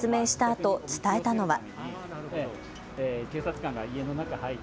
あと伝えたのは。